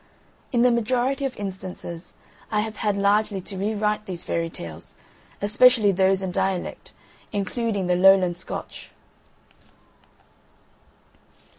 In the majority of instances I have had largely to rewrite these Fairy Tales, especially those in dialect, including the Lowland Scotch.